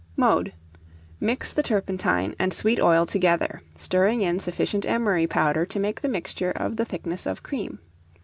Mode. Mix the turpentine and sweet oil together, stirring in sufficient emery powder to make the mixture of the thickness of cream.